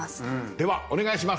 ではお願いします。